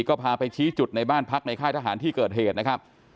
ก็พาไปชี้จุดในบ้านพักในค่ายทหารที่เกิดเหตุนะครับ